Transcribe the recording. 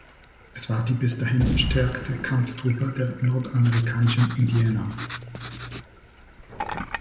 Es war die bis dahin stärkste Kampftruppe der nordamerikanischen Indianer.